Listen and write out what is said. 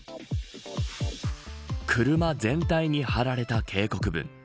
車全体に張られた警告文。